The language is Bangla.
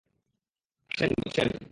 আসেন, বসেন।